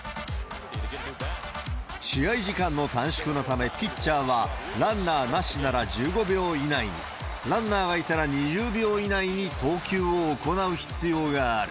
試合時間の短縮のため、ピッチャーは、ランナーなしなら１５秒以内に、ランナーがいたら２０秒以内に投球を行う必要がある。